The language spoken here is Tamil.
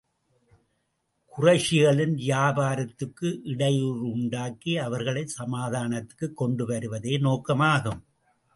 குறைஷிகளின் வியாபாரத்துக்கு இடையூறு உண்டாக்கி, அவர்களைச் சமாதானத்துக்குக் கொண்டு வருவதே நோக்கமாகும்.